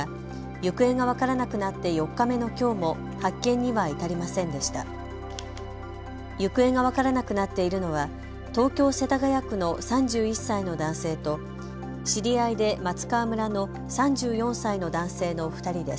行方が分からなくなっているのは東京世田谷区の３１歳の男性と知り合いで松川村の３４歳の男性の２人です。